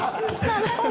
なるほど。